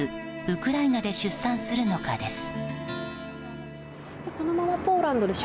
ウクライナで出産するのかです。